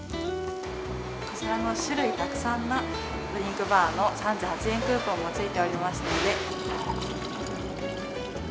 こちらの種類たくさんのドリンクバーの３８円クーポンもついておりまして。